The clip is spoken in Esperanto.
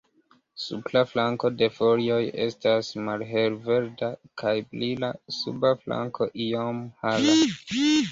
Supra flanko de folioj estas malhelverda kaj brila, suba flanko iom hara.